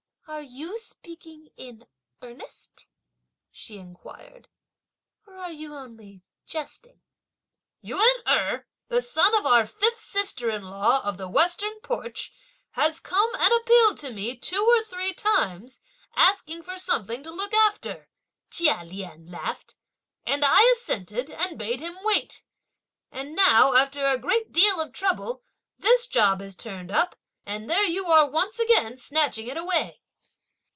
"Are you speaking in earnest," she inquired, "or are you only jesting?" "Yün Erh, the son of our fifth sister in law of the western porch, has come and appealed to me two or three times, asking for something to look after," Chia Lien laughed, "and I assented and bade him wait; and now, after a great deal of trouble, this job has turned up; and there you are once again snatching it away!"